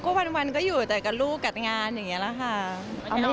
ก็วันก็อยู่แต่กับลูกกัดงานอย่างนี้แหละค่ะ